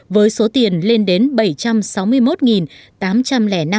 với số tiền lên đến